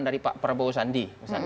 dari pak prabowo sandi